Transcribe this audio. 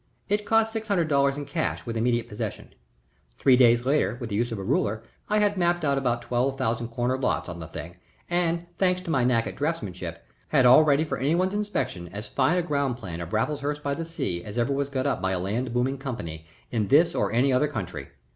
It cost six hundred dollars in cash, with immediate possession. Three days later, with the use of a ruler, I had mapped out about twelve thousand corner lots on the thing, and, thanks to my knack at draughtsmanship, had all ready for anybody's inspection as fine a ground plan of Raffleshurst by the Sea as ever was got up by a land booming company in this or any other country.